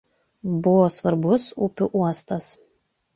Buvo svarbus upių uostas.